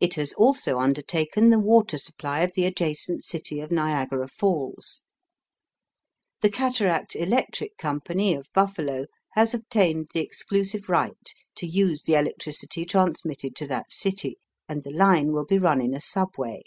It has also undertaken the water supply of the adjacent city of Niagara Falls. The Cataract Electric Company of Buffalo has obtained the exclusive right to use the electricity transmitted to that city, and the line will be run in a subway.